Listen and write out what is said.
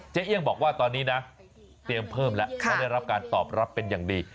เอี่ยงบอกว่าตอนนี้นะเตรียมเพิ่มแล้วเขาได้รับการตอบรับเป็นอย่างดี